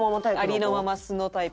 ありのまま素のタイプ。